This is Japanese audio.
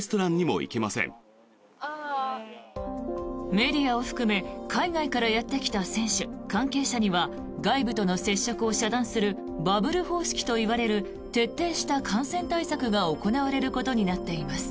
メディアを含め海外からやってきた選手、関係者には外部との接触を遮断するバブル方式といわれる徹底した感染対策が行われることになっています。